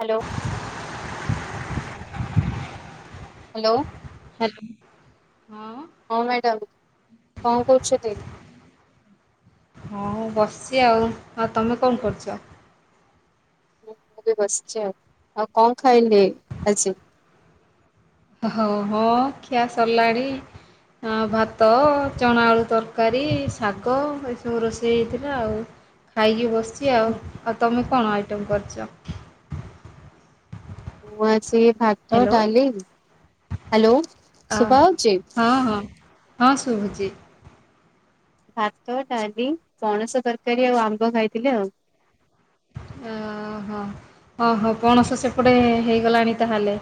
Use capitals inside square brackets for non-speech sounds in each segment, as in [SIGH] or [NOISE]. Hello. Hello. Hello ହଁ। ହଁ madam କଣ କହୁଛନ୍ତି? ହଁ ବସିଛି ଆଉ ଆଉ ତମେ କଣ କରୁଛ? ମୁଁ ବି ବସିଛି ଆଉ ଆଉ କଣ ଖାଇଲେ ଆଜି? ହଉ ହଁ ଖିଆ ସରଲାଣି। ଆ ଭାତ ଚଣା ଆଳୁ ତରକାରୀ ଶାଗ ଏସବୁ ରୋଷେଇ ହେଇଥିଲା ଆଉ। ଖାଇକି ବସିଛି ଆଉ ଆଉ ତମେ କଣ ଆଇଟମ କରିଛ? ମୁଁ ଆସି ଭାତ ହ୍ୟାଲୋ ଡାଲି ହ୍ୟାଲୋ ଶୁଭାଯାଉଛି। ହଁ ହଁ ହଁ ସୁୁଭୁଛି। ଭାତ ଡାଲି ପଣସ ତରକାରୀ ଆଉ ଆମ୍ବ ଖାଇଥିଲେ ଆଉ। ଓ ହୋ। ଅ ହ ପଣସ ସେପଟେ ହେଇଗଲାଣି ତାହେଲେ।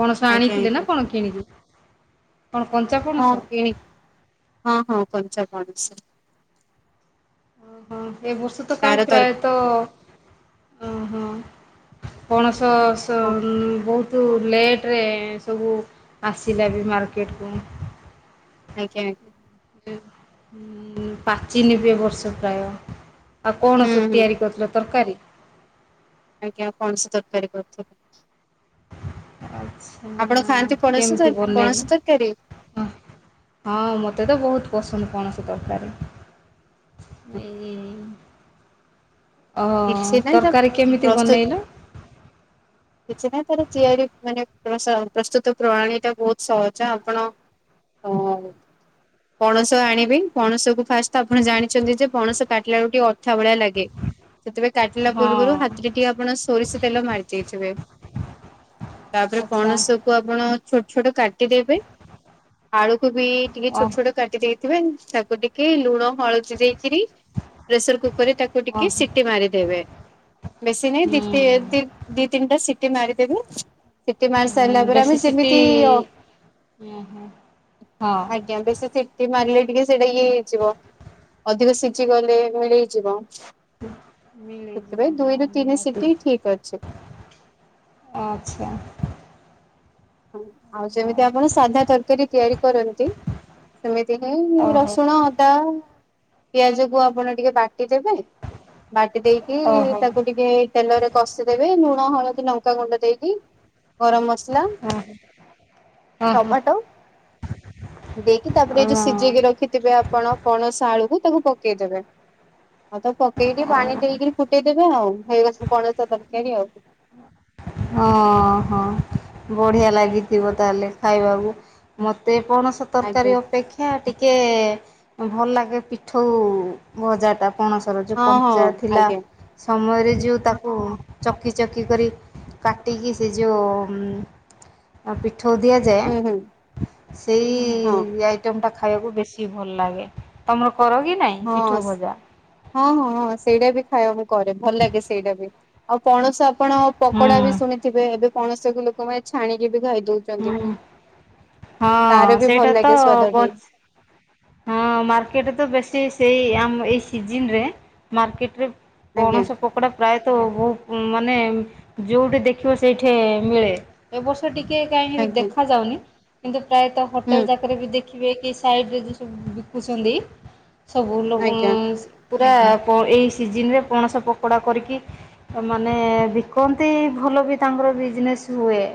ପଣସ ଆଜ୍ଞା ଆଣିଥିଲେ ନା ଆଜ୍ଞା କଣ କିଣିକିି କଣ କଞ୍ଚା ପ- ହଁ କିଣିକି ହଁ ହଁ କଞ୍ଚା ପଣସ। ଓ ହଁ ଏ ବର୍ଷ ତ କାହିଁ ତାର ତର ପ୍ରାୟତଃ ଓ ହଁ। ପଣସ ସ ବହୁତ ତୁ ଲେଟ୍ରେ ସବୁ ଆସିଲା ବି ମାର୍କେଟକୁ। ଆଜ୍ଞା ଆଜ୍ଞା। ଉଁ ପଚିନିବି ଏ ବର୍ଷ ପ୍ରାୟ। ଆଉ କଣ ହୁଁ ସ ହୁଁ ତିଆରି କରିୁଥିଲ ତରକାରୀ? ଆଜ୍ଞା ପଣସ ତରକାରୀ କରିଥିଲୁ। ଆଚ୍ଛ ଆପଣ ଖାଆନ୍ତି ପଣଶ ତ ପଣସ ତରକାରୀ? ହ ହଁ ମୋତେ ତ ବହୁତ ପସନ୍ଦ ପଣସ ତରକାରୀ। ଏ ଓ କିଛି ନାହିଁ ତା ତରକାରୀ କେମିତି ପ୍ରସ୍ତୁତ ବନେଇଲ? କିଛି ନାହିଁ ତାର ତିଆରି ମାନେ ପ୍ରସ ପ୍ରସ୍ତୁତ ପ୍ରଣାଣୀ ଟା ବହୁତ ସହଜ ଆପଣ ହଁ ଆଜ୍ଞା। ପଣସ ଆଣିବି ପଣସକୁ ଫାଷ୍ଟତ ଆପଣ ଜାଣିଛନ୍ତି ଯେ ପଣସ କାଟିଲା ବେଳୁ ଟିକେ ଅଠା ଭଳିଆ ଲାଗେ ସେଥିପାଇଁ କାଟିଲା ହଁ ପୂର୍ବରୁ ହାତରେ ଟିକେ ଆପଣ ସୋରିଷ ତେଲ ମାରି ଦେଇଥିବେ। ତାପରେ ଆଚ୍ଛା ପଣସ ଆପଣ ଛୋଟ ଛୋଟ କାଟିଦେବେ ଆଳୁକୁ ବି ଟିକେ ଓ ଛୋଟ ଛୋଟ କାଟି ଦେଇ ଥିବେ ତାକୁ ଟିକେ ଲୁଣ ହଳଦୀ ଦେଇକିରି ପ୍ରେସର କୁକର ରେ ତାକୁ ଓ ଟିକେ ସି ମାରିଦବେ ବେଶୀ ନାଇଁ ଦି ହୁଁ ଟି ଦି ଦି ତିନିଟା ସିଟି ମାରିଦେବେ ସିଟି ମାରି ସାରିଲା ପରେ ଆମେ ବେଶୀ ସିଟି ଯେମିତି ଅ ହଁ ଆଜ୍ଞା ବେସି ସି ଟି ମାରିଲେ ଟିକେ ସେଇଟା ଇଏ ହେଇଯିବ ଅଧିକ ସିଝି ଗଲେ ମିଳେଇ ଯିବ। ମିଳିଯିବ ସେଥିପାଇଁ ହଁ ଦୁଇରୁ ତିନି ନିହାତି ସିଟି ଠିକ୍ ଅଛି। ଅଚ୍ଛା। ହଁ ଆଉ ଯେମିତି ଓହୋ ଆପଣ ସାଧା ତରକାରୀ ତିଆରି କରନ୍ତି ସେମିତି ହିଁ ଓହୋ ରସୁଣ ଅଦା ପିଆଜ କୁ ଆପଣ ଟିକେ ବାଟିଦେବେ ବାଟି ଦେଇକି ଓହୋ ତାକୁ ଟିକେ ତେଲରେ କଷିଦେବେ ଲୁଣ ହଳଦୀ ଲଙ୍କା ଗୁଣ୍ଡ ଦେଇକି ଗରମ ମସଲା ହଁ। ଟମାଟୋ ଦେଇକି ତାପରେ ଏ ଯୋଉ ସିଝେଇକି ରଖି ଥିବେ ଆପଣ ପଣସ ଆଳୁକୁ ତାକୁ ପକେଇଦେବେ। ଆଉ ତ ପକେଇକି ପାଣି ଦେଇକି ଫୁଟେଇ ଦେବେ ଆଉ [UNINTELLIGIBLE] ପଣସ ତରକାରୀ ଆଉ। ହଁ ହଁ ବଢ଼ିଆ ଲାଗିଥିବ ତାହେଲେ ଆଉ। ଖାଇବାକୁ? ମତେ ପଣସ ଆଜ୍ଞା ତରକାରୀ ଅପେକ୍ଷ କ୍ଷା ଟିକେ ଭଲ ଲାଗେ ପିଠଉ ଭଜାଟା। ପଣସର ଯେଉଁ ହଁ ହଁ କଞ୍ଚା ଥିଲା ଆଜ୍ଞା ସମୟରେ ଯୋଉଁ ତାକୁ ଚକି ଚକି କରି କାଟିକି ସେ ଯେଉଁ ପିଠୋଉ ଦିଆଯାଏ ହୁଁ ହୁଁ ସେଇ ହଁ ଆଇଟମ୍ ଟା ଖାଇବାକୁ ବେଶୀ ଭଲ ଲାଗେ। ତମର କର କି? ନାଇଁ ହଁ ପିଠଉ ସ ଭଜା? ହଁ ହଁ ହଁ ସେଇଟା ବି ଖାଇବା ମୁଁ କରେ। ଭଲ ଲାଗେ ସେଇଟା ବି। ଆଉ ପଣସ ଆପଣ ହୁଁ ପକୋଡ଼ା ବି ଶୁଣିଥିବେ? ଏବେ ପଣସକୁ ଲୋକ ମାନେ ଛାଣିକି ବି ଖାଇଦଉ ହୁଁ ହଁ ବି ଭଲ ସେଇଟା ତ ଲାଗେ ସ୍ଵାଦ ବ ଟେ ହଁ ମାର୍କେଟ ତ ବେଶୀ ସେଇ ଆମ ଏଇ ସିଜିନ ରେ ମାର୍କେଟ ରେ ଆଜ୍ଞା ପଣସ ପକୋଡ଼ା ପ୍ରାୟତଃ ବହୁ ମାନେ ଯୋଉଠି ଦେଖିବ ସେଇଠି ମିଳେ। ଏବ ବର୍ଷ ଟିକେ କାହିଁକି ଆଜ୍ଞା ଦେଖା ଯାଉନି। କିନ୍ତୁ ପ୍ରାୟତ ହୁଁ ହୋଟେଲ ଯାକରେ ବି ଦେ ଖିବେ କି ସାଇଡରେ ଯଉ ସବୁ ବିକୁଛନ୍ତି ସବୁ ଲୋ ଆଜ୍ଞା ପୁରା ଏଇ ସିଜିନରେ ପଣସ ପକୋଡ଼ା କରିକି ମାନେ ବିକନ୍ତି। ଭଲ ବି ତାଙ୍କର ବିଜନେସ୍ ହୁଏ।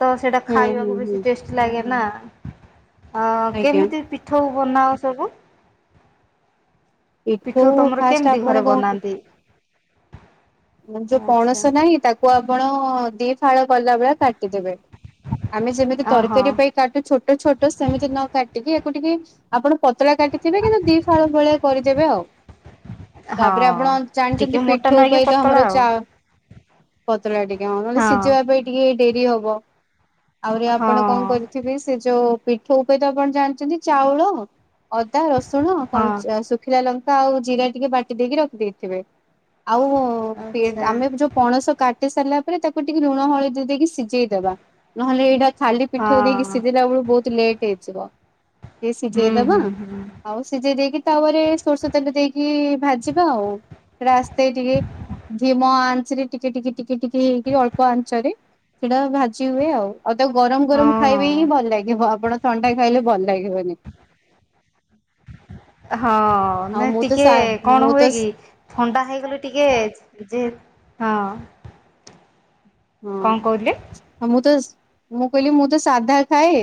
ତ ସେଇଟା ହୁଁ ହୁଁ ଖାଇବାକୁ ବେଶୀ ହୁଁ ଟେଷ୍ଟି ଲାଗେ ନା। ଆ ଆଜ୍ଞା କେମିତି ପି ପିଠଉ ବନାଉ ସବୁ। ପିଠଉ ତମର ଫାଷ୍ଟ କେମିତି ଆପଣ ଘରେ କଣ ବନାନ୍ତି? ଯୋଉ ଆଚ୍ଛା ପଣସ ନାହିଁ ତାକୁ ଆପଣ ଦିଇ ଫାଳ କଲା ଭଳିଆ କାଟିଦେବେ। ଆମେ ଯେମିତି ଓହୋ ତରକାରୀ ପାଇଁ ତାଠୁ ଛୋଟ ଛୋଟ ସେମିତି ନ କାଟିକି ଆକୁ ଟିକେ ଆପଣ ପତଳା କାଟିକି ଥିବେ କିନ୍ତୁ ଦି ଫାଳ ଭଳିଆ କରିଦେବେ। ଆଉ ତାପରେ ଆପଣ ହଁ ଜାଣିଚନ୍ତି ଟିକେ ମୋଟା ପିଠୋଉ ନହେଇକି ପତଳା ଆଉ। ପତଳା ଟିକେ ହଁ ନହେଲେ ସିଝିବା ପାଇଁ ଟିକେ ଡେରି ହବ। ଆହୁରି ହଁ ଆପଣ କଣ କରିଥିବେ ସେ ଯୋଉ ପିଠଉ ପାଇଁ ଆପଣ ଜାଣିଛନ୍ତି ଚାଉଳ ଅଦା, ରସୁଣ, ହଁ କଞ୍ଚ ଶୁଖିଲା ଲଙ୍କା ଆଉ ଜିରା ଟିକେ ବାଟି ଦେଇକି ରଖିଦେଇଥିବେ। ଆଉ ପେ ଆଚ୍ଛା ଆମେ ଯୋଉ ପଣସ କାଟି ସାରିଲା ପରେ ତାକୁ ଟିକେ ଲୁଣ ହଳଦୀ ଦେଇକି ସିଝେଇଦେବା। ନହେଲେ ଏଇଟା ଖାଲି ପିଠୋଉ ଦେଇକି ହଁ ସିଝେଇିଲା ବେଳକୁ ବହୁତ ଲେଟ୍ ହେଇଯିବ। ଟିକେ ହୁଁ ସିଝେଇଦବା ହୁଁ ହୁଁ ଆଉ ସିଝେଇ ଦେଇକି ତାୱାରେ ସୋରିଷ ତେଲ ଦେଇକି ଭାଜିବା ଆଉ ହେଟା ଆସ୍ ଟିକେ ଧିମ ଆଞ୍ଚ ରେ ଟିକେ ଟିକେ ଟିକେ ଟିକେ ହେଇକି ଅଳ୍ପ ଆଞ୍ଚ ରେ ସେଟା ଭା ଜି ହୁଏ ଆଉ ଆଉ ତା ଗରମ ଗରମ ଖାଇବେ ହଁ। ହିଁ ଭଲ ଲାଗିବ ଆପଣ ଥଣ୍ଡା ଖାଇଲେ ଭଲ ଲାଗିବନି। ହଁ ଆଉ ନା ମୁଁ ତ ଟିକେ ସା କଣ ମୁଁ ତ ହୁଏ କି ଥଣ୍ଡା ହେଇଗଲେ ଟିକେ ଯେ ଯେହେତ୍ ହଁ। କଣ କହିଲେ ହଁ ମୁଁ ତ ମୁଁ କହିଲି ମୁଁ ତ ସାଧା ଖାଏ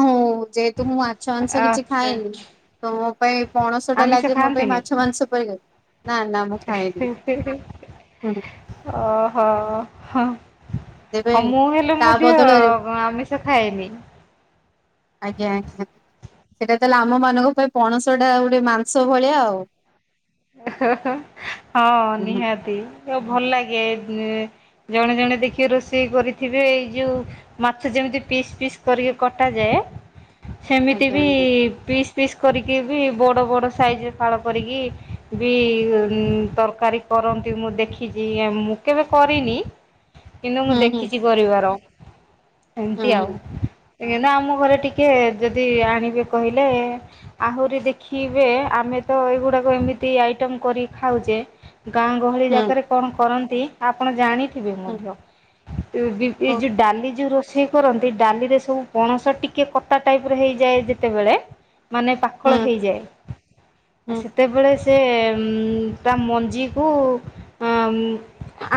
ହୋଉ। ଯେହେତୁ ମୁଁ ମାଛ ମାଂସ କିଛି ଆଚ୍ଛା ଖାଏନି ତ ମୋ ପାଇଁ ପଣସ ଟା ଆମିଷ ଲାଗେ ମୋ ପାଇଁ ଖାଆନ୍ତିନି? ମାଛ ମାଂସ ପରିକା। ନାଁ ନାଁ ଏ ହେଁ ହେଁ ହେଁ ହେଁ ଓହୋ ହଁ। ତେବେ ହଁ ମୁଁ ହେଲେ ତା ମଧ୍ୟ ବଦଳରେ ଆମିଷ ଖାଏନି। ଆଜ୍ଞା ଆଜ୍ଞା। ସେଇଟା ତାହେଲେ ଆମ ମାନଙ୍କ ପାଇଁ ପଣସ ଟା ଗୋଟେ ମାଂସ ଭଳିଆ ଆଉ। ହଁ ନିହାତି ଆଉ ଭଲ ଲାଗେ ନି ଜଣେ ଜଣେ ଦେଖବ ରୋଷେଇ କରିଥିବେ ଏଇ ଯୋଉ ମାଛ ଯେମିତି ପିସ୍ ପିସ୍ କରିକି କଟା ଯାଏ। ସେମିତି ଆଜ୍ଞା ବି ଆଜ୍ଞା ପିସ୍ ପିସ୍ କରିକି ବି ବଡ ବଡ ସାଇଜ ଫାଳ କରିକି ବି ତରକାରୀ କରନ୍ତି ମୁଁ ଦେଖିଚି ମୁଁ କେବେ କରିନି। କିନ୍ତୁ ମୁଁ ହୁଁ ହୁଁ ଦେଖିଚି କରିବାର ଏମିତି ଆଉ। ହୁଁ ଏନା ଆମ ଘରେ ଟିକେ ଯଦି ଆଣିବେ କହିଲେ ଆହୁରି ଦେଖିବେ ଆମେ ତ ଏଇଗୁଡାକ ଏମି ତି ଆଇଟମ୍ କରି ଖାଉଚେ ଗାଁ ଗହଳି ହୁଁ ଯାକରେ କଣ କରନ୍ତି ଆପଣ ଜାଣି ଥିବେ ହୁଁ। ମଧ୍ଯ। ଏ ବି ଏ ଓ ଯୋଉ ଡାଲି ଯୋଉ ରୋ ଷେଇ କରନ୍ତି ଡାଲିରେ ସବୁ ପଣସ ଟିକିଏ କଟା ଟାଇପର ହେଇଯାଏ ଯେତେବେଳେ ମାନେ ପାକଳ ହୁଁ ହୋଇଯାଏ ଆ ହୁଁ ସେତେବେଳେ ସେ ସେ ତା ମଞ୍ଜିକୁ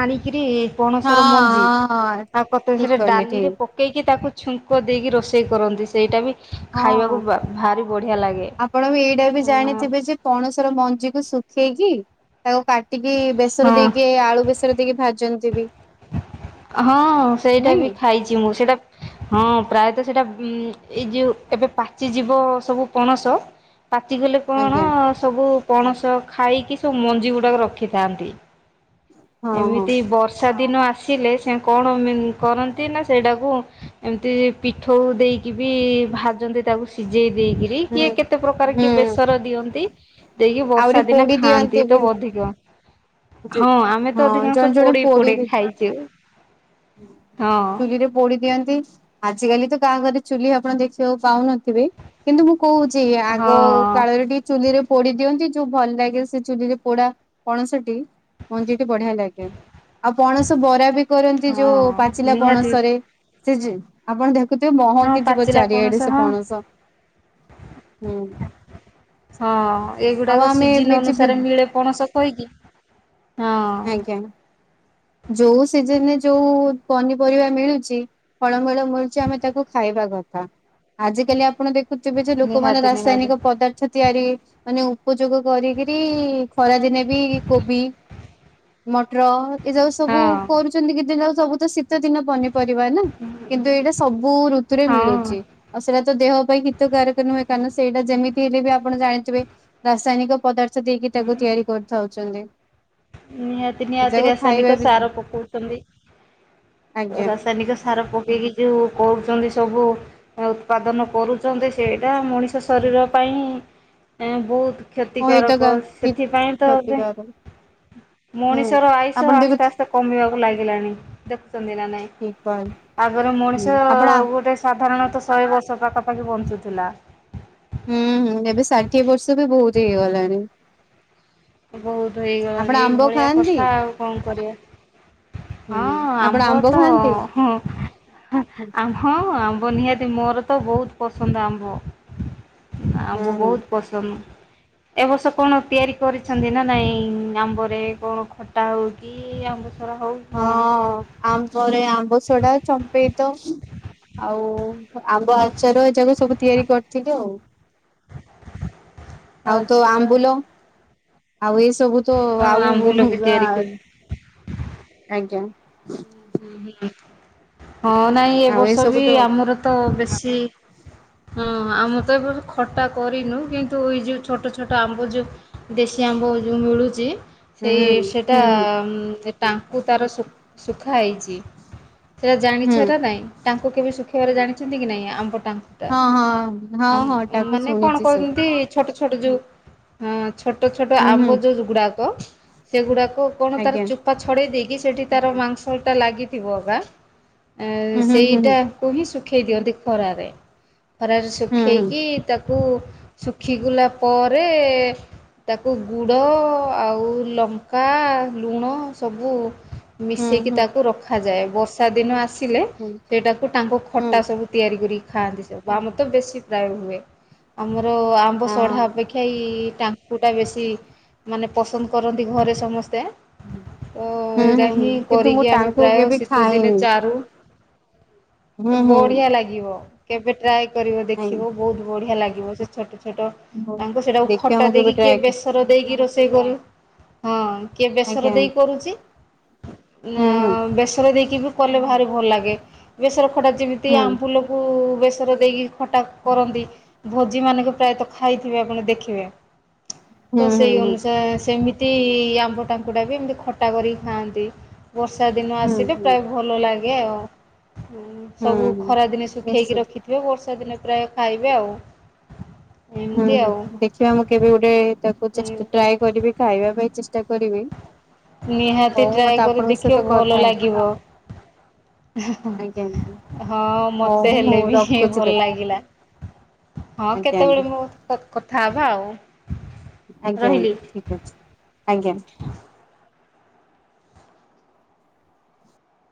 ଆଣିକିରି ପଣସ ହଁ ର ମଞ୍ଜି ହଁ ଆଉ କତ ଠିକ ସେଟା କହିଲେ ଡାଲିରେ ଠିକ ପ ପକେଇକି ତାକୁ ଛୁଙ୍କ ଦେଇକି ରୋଷେଇ କରନ୍ତି ସେଇଟା ବି ହଁ ଖାଇବାକୁ ଭାରି ବଢ଼ିଆ ଲାଗେ। ଆପଣ ବି ଏଇଟା ବି ଜାଣିଥିବେ ଯେ ପଣସ ର ମଞ୍ଜିକୁ ଶୁଖେଇକି ତାକୁ କାଟିକି ବେସର ହଁ। ଦେଇକି ଆଳୁ ବେସ ସର ଦେଇକି ଭାଜନ୍ତି ବି। ହଁ ସେଇଟା ନାଇଁ ବି ଖାଇଚି ମୁଁ ସେଇଟା ହଁ ପ୍ରାୟତଃ ସେଇଟା ଉ ଏଇ ଯୋଉ ଏବେ ପାଚି ଯିବ ସବୁ ପଣସ ପାଚିଗଲେ କଣ ଆଜ୍ଞା। ସବୁ ପଣସ ଖାଇକି ସବୁ ମଞ୍ଜି ଗୁଡାକ ରଖିଥାନ୍ତି। ହଁ ହଁ ଏମିତି ବର୍ଷା ଦିନ ଆସିଲେ ସେ କଣ କରନ୍ତି ନା ସେଇଟାକୁ ଏମିତି ପିଠୋଉ ଦେଇକି ବି ଭାଜନ୍ତି ତାକୁ ସିଜେଇ ଦେଇକି। ଏଇ କିଏ ହୁଁ କେତେ ପ୍ରକାର କିଏ ହୁଁ ବେସର ଦିଅନ୍ତି। ଦେଇକି ବର୍ଷା ଆହୁରି ଦିନେ ପୋଡି ଖାଆନ୍ତି ଦିଅନ୍ତି ବି। ତ ଅଧିକ ହଁ ଆମେ ତ ହଁ ଅଧିକାଂଶ ଜଣେ ଜଣେ ପୋଡ଼ି ପୋଡି ପୋଡ଼ି ବି ଖାଇଚୁ। ଚୁଲିରେ ପୋଡି ଦିଅନ୍ତି, ଆଜିକାଲି ତ କାହା ଘରେ ଚୁଲି ଆପଣ ଦେଖିବାକୁ ପାଉନଥିବେ କିନ୍ତୁ ମୁଁ କହୁଛି ଆଗ ହଁ କାଳରେ ଟି ଚୁଲି ରେ ପୋଡି ଦିଅନ୍ତି, ଯୋଉ ଭଲ ଲାଗେ ସେ ଚୁଲିରେ ପୋଡା ପଣସଟି ମଞ୍ଜିଟି ବଢିଆ ଲାଗେ, ଆଉ ପଣସ ବରା ବି କରନ୍ତି। ନ୍ତି ଯୋଉ ହଁ ପାଚିଲା ନିହାତି ପଣସରେ ସେ ଯେ ଆପଣ ଦେଖୁଥିବେ ହଁ ମହକି ଯିବ ପାଚିଲା ଚାରିଆଡେ ପଣସ ସେ ହଁ ପଣସ। ହୁଁ, ହଁ ଆଉ ଏଗୁଡାକ ଆମେ ସିଜିନ୍ ଅନୁସାରେ ମିଳେ ପଣସ କହିକି ହଁ ଆଜ୍ଞା ଯୋଉ ସିଜନରେ ଯୋଉ ପନିପରିବା ମିଳୁଚି ଫଳମୂଳ ମିଳୁଚି ଆମେ ତାକୁ ଖାଇବା କଥା, ଆଜିକାଲି ଆପଣ ଦେଖ କିଛି କିଛି ଲୋକମାନେ ନିହାତି ନିହାତି ରାସାୟନିକ ପଦାର୍ଥ ଗଛ ତିଆରି ମାନେ ଉପଯୋଗ କରିକିରି ଖରାଦିନେ ବି କୋବି ମଟର ଏ ଯୋଉ ସବୁ ହଁ କରୁଛନ୍ତି। କିଛି ଦିନ ସବୁ ତ ଶୀତ ଦିନ ପନିପରିବା ନା? କିନ୍ତୁ ଏଇଟା ସବୁ ଋତୁରେ ହଁ ମିଳୁଚି। ଆଉ ସେଇଟା ତ ଦେହ ପାଇଁ ହିତକାରକ ନୁହେଁ, କାରଣ ସେଇଟା ଯେମିତି ହେଲେ ବି ଆପଣ ଜାଣିଥିବେ ରାସାୟନିକ ପଦାର୍ଥ ସେ ଦେଇକି ତାକୁ ତିଆରି କରି ଖାଉଛନ୍ତି। ନିହାତି ନିହାତି ରାସାୟନିକ ସାର ପକଉଛନ୍ତି। ଆଜ୍ଞା। ରାସା ରାୟନିକ ସାର ପକେଇକି ଯୋଉ କହୁଛନ୍ତି ସବୁ ଆଉ ଉତ୍ପାଦନ କରୁଛନ୍ତି ସେଇଟା ମଣିଷ ଶରୀର ପାଇଁ ବୋହୁତ କ୍ଷତିକାରକ ସେଥିପାଇଁ ତ ଏବେ କ୍ଷତିକାରକ ହୁଁ ମଣିଷର ଆୟୁଷ ଆପଣ ଦେଖ ଆସ୍ତେ ଆସ୍ତେ କମିବାକୁ ଲାଗିଲାଣି, ଦେଖୁଛନ୍ତି ନା ନାଇଁ? ଠିକ କହିଲେ ଆଗରେ ମଣିଷ ଆପଣ ଗୋଟେ ସାଧାରଣତଃ ଶହେ ବର୍ଷ ପାଖାପାଖି ବଞ୍ଚୁଥିଲା। ହୁଁ ହୁଁ ଏବେ ଷାଠିଏ ବର୍ଷ ବି ବୋହୁତ ହେଇଗଲାଣି। ବୋହୁତ ଆପଣ ହେଇଗଲାଣି ଏଇ ଆମ୍ବ ଭଳିଆ ଖାଆନ୍ତି? କଥା ଆଉ କଣ କରିବା। ହୁଁ ହଁ ଆପଣ ଆମ୍ବ ତ ଖାଆନ୍ତି? ହଁ ଆ ହୁଁ ଆ ହଁ ଆମ୍ବ ନିହାତି ମୋର ତ ବୋହୁତ ପସନ୍ଦ ଆମ୍ବ, ଆମ୍ବ ହୁଁ ବୋହୁତ ପସ ଏବର୍ଷ କଣ ତିଆରି କରି ଛନ୍ତି ନା ନାଇଁ ଆମ୍ବରେ କଣ ଖଟା ହୋଉ କି ଆମ୍ବ ସରା ହୋଉ? ହଁ ଆମ୍ବରେ ଆମ୍ବ ସଡା, ଚମ୍ପେଇ ତ ଆଉ ଆମ୍ବ ଆଚାର ଏ ଯାକ ସବୁ ତିଆରି କରିଥିଲି ଆଉ। ଆଉ ତୋ ଆଚ୍ଛା ଆମ୍ବୁଲ ଆଉ ଏସବୁ ତ ହଁ ଆଉ ଆମ୍ବୁଲ ବି ତିଆରି କରି ଆଜ୍ଞା। ହଁ ନାଇଁ ଏ ଆଉ ବର୍ଷ ସବୁ ବି ତ ଆମର ତ ବେଶୀ ହ ଆମ ତ ଏବେ ଖଟା କରିନୁ କି ତୁ ଏଇ ଯେଉ ଛୋଟ ଛୋଟ ଆମ୍ବୁ ଯୁ ଦେଶୀ ଆମ୍ବ ଯେଉଁ ମିଳୁଚି ହୁଁ ସେଇ ହୁଁ ସେଇଟା ହୁଁ ତାଙ୍କୁ ତାର ଶୁଖା ହେଇଛି ସେଟା ହୁଁ ଜାଣିଛ ନାହିଁ? ତାଙ୍କୁ କେବେ ଶୁଖେଇବାରେ ଜାଣିଛନ୍ତି କି ନାହିଁ ଆମ୍ବ ଟା ହଁ ହଁ ହଁ ଆ ହଁ ତାକୁ ମାନେ କଣ ଶୁଣିଛି ଶୁ କରହୁଚନ୍ତି ଛୋଟ ଛୋଟ ଯୋଉ ଛୋଟ ଛୋଟ ହୁଁ ଆମ୍ବ ହୁଁ ଯୋଉ ଗୁଡ଼ାକ ସେଗୁଡ଼ାକ କଣ ତାର ଆଜ୍ଞା ଚୋପା ଛଡେଇ ଦେଇେଇକି ସେଠି ତାର ମାଂସଟା ଲାଗିଥିବ ବା। ଏ ହୁଁ ହୁଁ ହୁଁ ସେଇଟାକୁ ହିଁ ଶୁଖେଇ ଦିଅନ୍ତି ଖରାରେ, ଖରାରେ ହୁଁ ଶୁଖେଇକି ହୁଁ ତା ତାକୁ ଶୁଖିଗଲା ପରେ ତାକୁ ଗୁଡ଼ ଆଉ ଲଙ୍କା ଲୁଣ ସବୁ ହୁଁ ହୁଁ ମିଶେଇକି ହୁଁ ତାକୁ ରଖାଯାଏ ବର୍ଷା ଦିନ ଆସିଲେ ସେଟାକୁ ଟାଙ୍କୁ ହୁଁ ହଁ ଖଟା ସବୁ ତିଆରି କରିକି ଖାଆନ୍ତି ଆମ ତ ବେସି ପ୍ରାୟ ହୁଏ, ଆମର ଆମ୍ବ ସଢା ଅପେକ୍ଷା ଠାଇ ଟାଙ୍କୁଟା ବେଶୀ ମାନେ ପସନ୍ଦ କରନ୍ତି ଘରେ ସମସ୍ତେ। ତ ହୁଁ ଏଇଟା ହୁଁ ହୁଁ ହିଁ କିନ୍ତୁ ମୁଁ ଟାଙ୍କୁ କେବେ ଖାଇନି। ରୁ ହୁଁ ହୁଁ ବଢିଆ ଲାଗିବ, କେବେ ଟ୍ରାଏ କରିବ ଦେଖିବ ଆଜ୍ଞା ବୋହୁତ ବଢିଆ ଲାଗିବ ସେ ଛୋଟ ଛୋଟ ହଉ ଟାଙ୍କୁ ସେଟାକୁ ଦେଖିବା ଖଟା ମୁଁ କେବେ ଦେଇକି କିଏ ଟ୍ରାଏ ବେସର ଦେଇକି ରୋଷେଇ କରେ। ହଁ କିଏ ବେସର ଆଜ୍ଞା ଦେଇ କରୁଛି ନା ହୁଁ ହୁଁ ବେସର ଦେଇକି ବି କଲେ ଭାରି ଭଲ ଲାଗେ ବେସର ଖଟା ଯେମିତି ହୁଁ ଆମ୍ଫୁଲ କୁ ବେସରେ ଦେଇକି ଖଟା କରନ୍ତି, ଭୋଜି ମାନକ ପ୍ରାୟତଃ ଖାଇଥିବେ ଆପଣ ଦେଖିବେ ତ ହୁଁ ହୁଁ ସେଇ ହୁଁ ହୁଁ ଅନୁସାରେ ସେମିତି ଏତି ଆମ୍ବ ଟାଙ୍କୁୁଟା ବି ଏମିତି ଖଟା କରିକି ଖାଆନ୍ତି ବର୍ଷା ଦିନ ହୁଁ ଆସିଲେ ପ୍ରାୟ ହୁଁ ଭଲ ଲାଗେ ଆଉ ସବୁ ହୁଁ ଖରା ଦିନେ ଶୁଖେଇକି ନିଶ୍ଚିତ ରଖି ଜୁ ବର୍ଷା ଦିନେ ପ୍ରାୟ ଖାଇବେ ଆଉ। ହୁଁ ଏମିତି ହୁଁ ଆଉ ଦେଖିବା ମୁଁ କେବେ ଗୋଟେ ତାକୁ ଚେ ଟ୍ରାଏ କରିବି ଖାଇବା ପାଇଁ ଚେଷ୍ଟା କରିବି। ନିହାତି ହଉ ଟ୍ରାଏ ମତେ କରି ଆପଣଙ୍କ ଦେଖିବ ସହିତ ଭଲ କଥା ଲାଗିବ। ଆଜ୍ଞା। ହଁ ମତେ ହଉ ହେଲେ ହଉ ବି ରଖୁଛି ଭଲ ତ ଲାଗିଲା ହଁ ଆଜ୍ଞା କେତେବେଳେ ଆଜ୍ଞା ମୁ କଥା ହେବା ଆଉ। ଆଜ୍ଞା ରହିଲି। ଆଜ୍ଞା ଠିକ୍ ଅଛି ଆଜ୍ଞା।